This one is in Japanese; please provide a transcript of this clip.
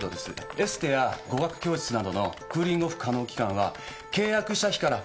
エステや語学教室などのクーリングオフ可能期間は契約した日から８日間。